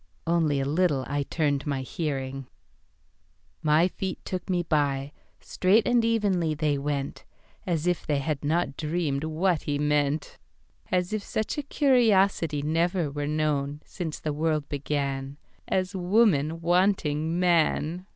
(Only a little I turned my hearing.)My feet took me by; Straight and evenly they went:As if they had not dreamed what he meant:As if such a curiosityNever were known since the world beganAs woman wanting man!